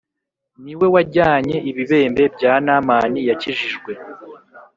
Ni we wajyanye ibibembe Bya Namani yakijijwe.